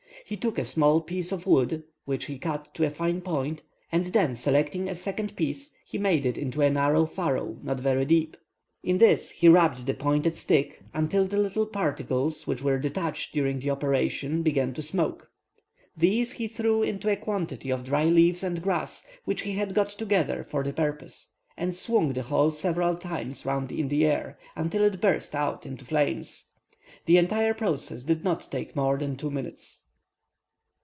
He took a small piece of wood, which he cut to a fine point, and then selecting a second piece, he made in it a narrow furrow not very deep. In this he rubbed the pointed stick until the little particles which were detached during the operation began to smoke. These he threw into a quantity of dry leaves and grass which he had got together for the purpose, and swung the whole several times round in the air, until it burst out into flames. The entire process did not take more than two minutes.